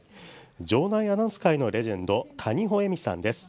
場内アナウンス界のレジェンド谷保恵美さんです。